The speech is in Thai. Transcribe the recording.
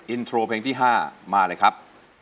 อินโทรเพลงที่๕มาเลยครับ